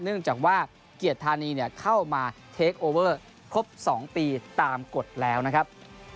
เนื่องจากว่าเกียรติธานีเข้ามาเทคโอเวอร์ครบ๒ปีตามกฎแล้วนะครับ